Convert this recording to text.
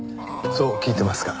そう聞いてますが。